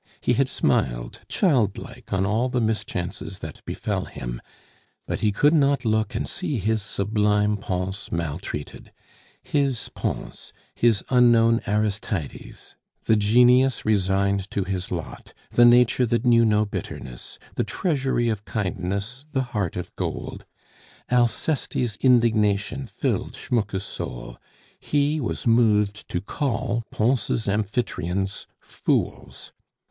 He had smiled childlike on all the mischances that befell him, but he could not look and see his sublime Pons maltreated; his Pons, his unknown Aristides, the genius resigned to his lot, the nature that knew no bitterness, the treasury of kindness, the heart of gold!... Alceste's indignation filled Schmucke's soul he was moved to call Pons' amphitryons "fools."